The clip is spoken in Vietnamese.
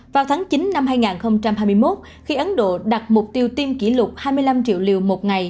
vào tháng chín năm hai nghìn hai mươi một khi ấn độ đặt mục tiêu tiêm kỷ lục hai mươi năm triệu liều một ngày